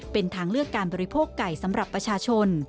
เป็นทางเลือกการบริโภคไก่สำหรับประชาชน